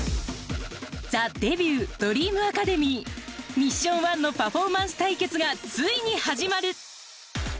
ミッション１のパフォーマンス対決がついに始まる。